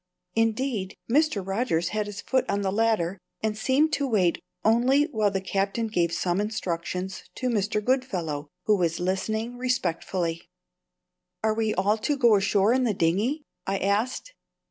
Indeed, Mr. Rogers had his foot on the ladder, and seemed to wait only while the Captain gave some instructions to Mr. Goodfellow, who was listening respectfully. "Are we all to go ashore in the dinghy?" I asked.